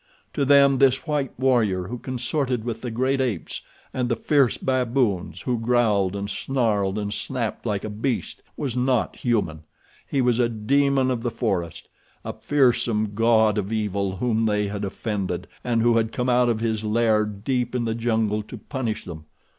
To them this white warrior, who consorted with the great apes and the fierce baboons, who growled and snarled and snapped like a beast, was not human. He was a demon of the forest—a fearsome god of evil whom they had offended, and who had come out of his lair deep in the jungle to punish them.